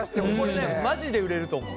これねマジで売れると思う。